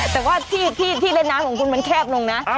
แต่ว่าที่เล่นน้ำของคุณมันแคบลงนะ